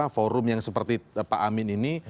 forum yang seperti pak amin ini